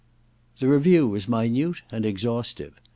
* The review was minute and exhaustive.